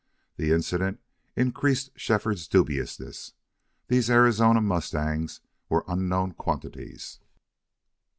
The incident increased Shefford's dubiousness. These Arizona mustangs were unknown quantities.